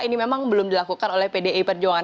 ini memang belum dilakukan oleh pdi perjuangan